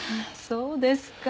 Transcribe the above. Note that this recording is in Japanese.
そうですか。